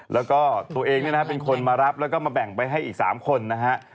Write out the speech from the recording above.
แล้วก็ตัวเองเนี่ยนะฮะเป็นคนมารับแล้วก็มาแบ่งไปให้อีก๓คนนะฮะ